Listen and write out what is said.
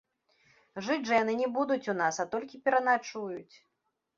Жыць жа яны не будуць у нас, а толькі пераначуюць.